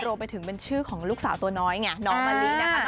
รวมไปถึงเป็นชื่อของลูกสาวตัวน้อยไงน้องมะลินะคะ